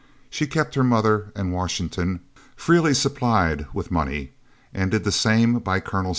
She kept her mother and Washington freely supplied with money, and did the same by Col.